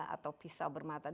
atau pisau bermata